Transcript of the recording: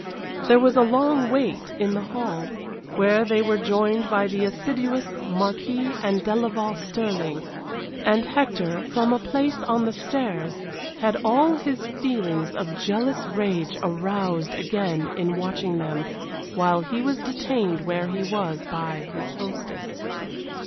There was a long wait in the hall, where they were joined by the assiduous Marquis and Delaval Stirling. And Hector, from a place on the stairs, had all his feelings of jealous rage aroused again in watching them while he was detained where he was by his hostess.